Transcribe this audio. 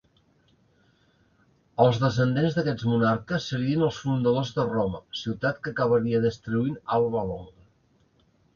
Els descendents d'aquests monarques serien els fundadors de Roma, ciutat que acabaria destruint Alba Longa.